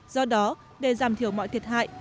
do đó để giảm thiểu mọi thiệt hại